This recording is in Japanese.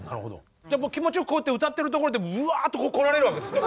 気持ちよくこうやって歌ってるところでブワーッと来られるわけですね。